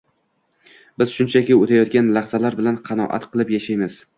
Biz shunchaki o‘tayotgan lahzalar bilan qanoat qilib yashaymiz.